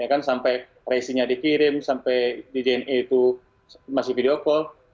ya kan sampai racingnya dikirim sampai di jna itu masih video call